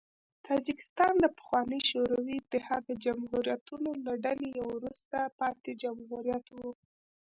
تاجکستان د پخواني شوروي اتحاد د جمهوریتونو له ډلې یو وروسته پاتې جمهوریت و.